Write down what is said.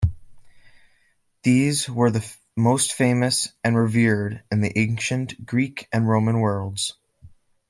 These were the most famous and revered in the ancient Greek and Roman worlds.